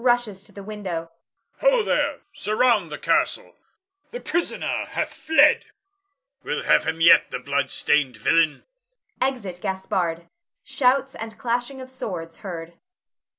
[Rushes to the window.] Ho, there! surround the castle, the prisoner hath fled! We'll have him yet, the blood stained villain! [Exit Gaspard. _Shouts and clashing of swords heard.